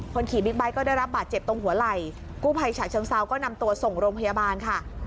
ขี่บิ๊กไบท์ก็ได้รับบาดเจ็บตรงหัวไหล่กู้ภัยฉะเชิงเซาก็นำตัวส่งโรงพยาบาลค่ะ